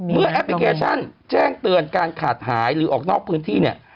แอปพลิเคชันแจ้งเตือนการขาดหายหรือออกนอกพื้นที่เนี่ย